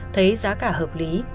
thấy giá cả hợp lý